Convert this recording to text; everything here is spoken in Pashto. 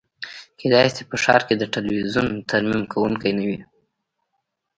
کیدای شي په ښار کې د تلویزیون ترمیم کونکی نه وي